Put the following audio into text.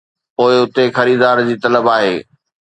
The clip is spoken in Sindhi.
پوء اتي خريدار جي طلب آهي